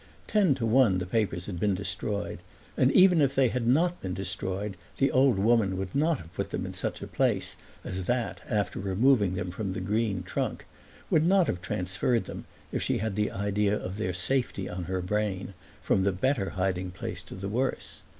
Ten to one the papers had been destroyed; and even if they had not been destroyed the old woman would not have put them in such a place as that after removing them from the green trunk would not have transferred them, if she had the idea of their safety on her brain, from the better hiding place to the worse.